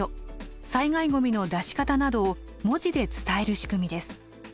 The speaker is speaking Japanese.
災害ごみの出し方などを文字で伝える仕組みです。